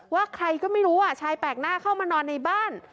ว่าใครก็ไม่รู้ชายแปลกหน้าเข้ามานอนในบ้าน